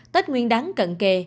tết nguyên đáng cận kề